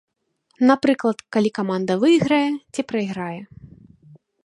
Напрыклад, калі каманда выйграе ці прайграе.